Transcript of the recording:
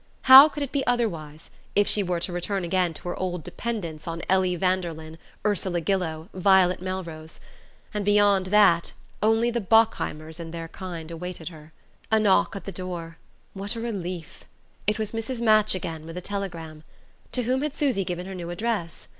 How could it be otherwise, if she were to return again to her old dependence on Ellie Vanderlyn, Ursula Gillow, Violet Melrose? And beyond that, only the Bockheimers and their kind awaited her.... A knock on the door what a relief! It was Mrs. Match again, with a telegram. To whom had Susy given her new address?